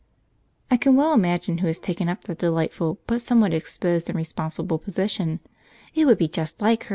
I can well imagine who has taken up that delightful but somewhat exposed and responsible position it would be just like her!